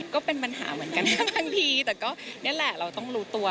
ก็เป็นปัญหาเหมือนกันทั้งทีแต่ก็นี่แหละเราต้องรู้ตัว